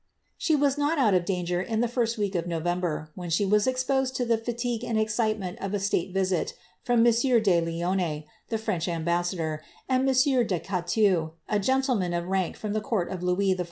She was not out of danger in the first week of November, when she was exposed to the fatigue and excitement of a suite visit from monsieur de LiomWr the French ambassador, and monsieur de Cateu, a gentleman of rank from the court of Louis XIV.